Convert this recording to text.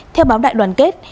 theo báo đại đoàn kết